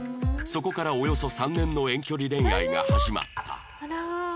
そこからおよそ３年の遠距離恋愛が始まった